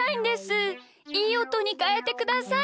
いいおとにかえてください。